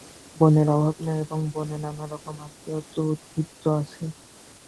বনের অভাব নাই, এবং বনে নানাপ্রকার আহার্য উদ্ভিজ্জও আছে।